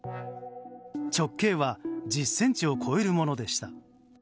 直径は１０ｃｍを超えるものでした。